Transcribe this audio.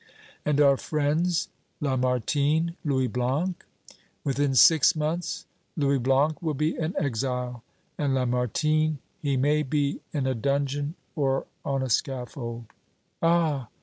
"And our friends Lamartine Louis Blanc?" "Within six months Louis Blanc will be an exile, and Lamartine he may be in a dungeon or on a scaffold!" "Ah!"